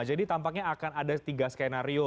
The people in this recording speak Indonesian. jadi tampaknya akan ada tiga skenario